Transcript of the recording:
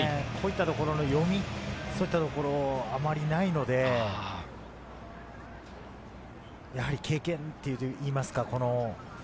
こういったところの読み、そういったところはあまりないので、やはり経験といいますか。